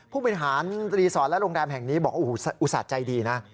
ผู้บริหารรีสอร์ทและโรงแรมแห่งนี้บอกโอ้โหอุตส่าห์ใจดีนะ